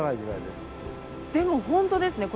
でも本当ですね。